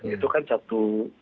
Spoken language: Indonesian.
itu kan satu